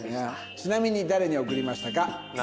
ちなみに誰に送りましたか？